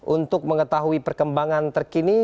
untuk mengetahui perkembangan terkini